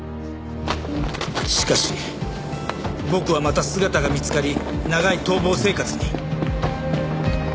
しかし僕はまた姿が見つかり長い逃亡生活に。